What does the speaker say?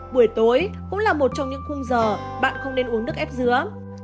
buổi tối cũng là một trong những khung giờ bạn không nên uống nước ép dứa